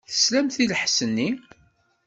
Teslamt i lḥess-nni?